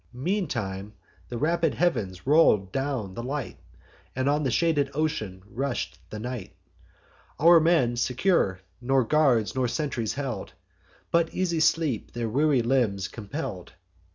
Meantime the rapid heav'ns roll'd down the light, And on the shaded ocean rush'd the night; Our men, secure, nor guards nor sentries held, But easy sleep their weary limbs compell'd.